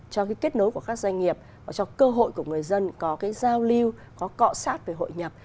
cho cái kết nối của các doanh nghiệp và cho cơ hội của người dân có cái giao lưu có cọ sát về hội nhập